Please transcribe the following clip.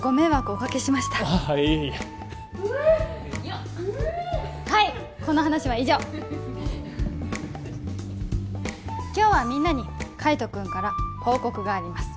よっはいこの話は以上今日はみんなに海斗君から報告があります